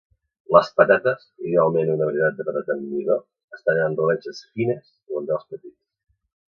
Les patates, idealment una varietat de patata amb midó, es tallen en rodanxes fines o en daus petits.